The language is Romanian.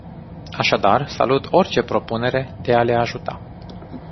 Așadar, salut orice propunere de a le ajuta.